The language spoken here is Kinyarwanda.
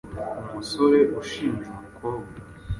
Umusore ushinja umukobwa